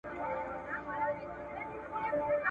که کمپيوټر پوهنه نه وای، انلاین زده کړې ناسونې وې.